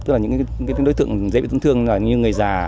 tức là những đối tượng dễ bị tấn thương như người già